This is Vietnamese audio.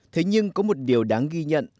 thế nhưng có một điều đáng ghi nhận